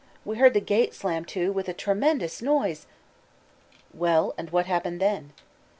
we heard the gate slam to with a tremendous noise...." "Well, and what happened then?"